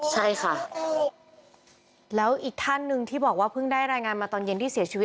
ใช่ค่ะแล้วอีกท่านหนึ่งที่บอกว่าเพิ่งได้รายงานมาตอนเย็นที่เสียชีวิต